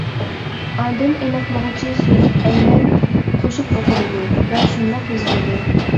ئاندىن ئېنىقلىغۇچى سۆز ئەينەن قوشۇپ ئۇقۇلىدۇ ۋە شۇنداق يېزىلىدۇ.